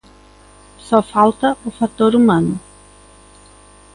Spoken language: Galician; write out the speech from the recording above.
Só falta o factor humano.